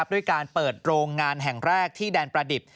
ด้วยการเปิดโรงงานแห่งแรกที่แดนประดิษฐ์